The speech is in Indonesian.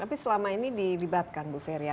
tapi selama ini dilibatkan bu ferry